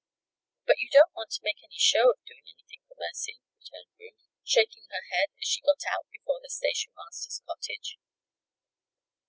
"But you don't want to make any show of doing anything for Mercy," returned Ruth, shaking her head as she got out before the station master's cottage.